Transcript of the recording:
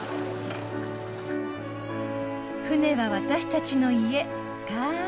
船は私たちの家か。